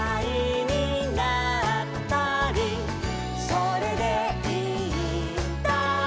「それでいいんだ」